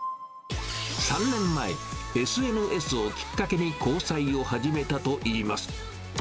３年前、ＳＮＳをきっかけに交際を始めたといいます。